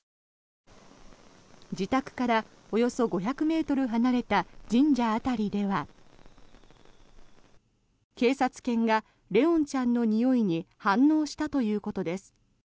自宅からおよそ５００ｍ離れた神社辺りでは警察犬が怜音ちゃんのにおいに反応したということです。